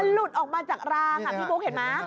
มันหลุดออกมาจากรางพี่โบ๊คเห็นไหม